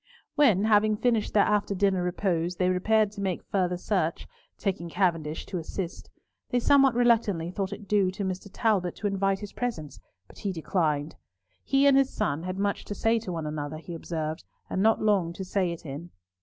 When, having finished their after dinner repose, they repaired to make farther search, taking Cavendish to assist, they somewhat reluctantly thought it due to Mr. Talbot to invite his presence, but he declined. He and his son had much to say to one another, he observed, and not long to say it in.